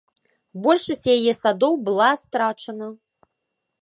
Большасць яе садоў была страчана.